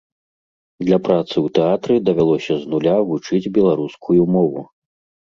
Для працы ў тэатры давялося з нуля вучыць беларускую мову.